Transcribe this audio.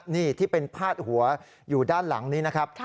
นี่ที่เป็นพาดหัวอยู่ด้านหลังนี้นะครับ